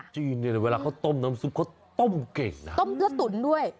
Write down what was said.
จีนเนี่ยเวลาเขาต้มน้ำซุปเขาต้มเก่งนะต้มเลือดตุ๋นด้วย